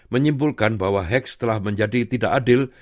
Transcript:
menyimpulkan bahwa hoax telah menjadi tidak adil